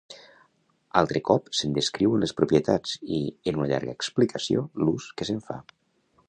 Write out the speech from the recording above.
Altre cop se'n descriuen les propietats i, en una llarga explicació, l'ús que se'n fa.